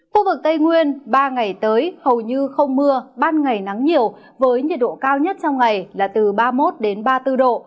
khu vực tây nguyên ba ngày tới hầu như không mưa ban ngày nắng nhiều với nhiệt độ cao nhất trong ngày là từ ba mươi một ba mươi bốn độ